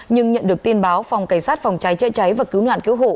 nhưng nhận được tin báo phòng cảnh sát phòng cháy chai cháy và cứu ngoạn cứu hộ